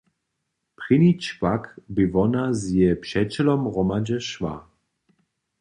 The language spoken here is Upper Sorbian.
Prěni čwak bě wona z jeje přećelom hromadźe šła.